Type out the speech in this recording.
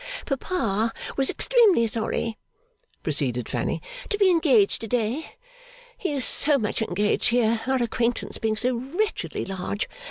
'Papa was extremely sorry,' proceeded Fanny, 'to be engaged to day (he is so much engaged here, our acquaintance being so wretchedly large!)